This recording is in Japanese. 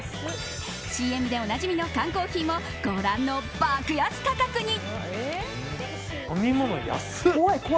ＣＭでおなじみの缶コーヒーもご覧の爆安価格に。